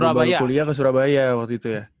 baru baru kuliah ke surabaya waktu itu ya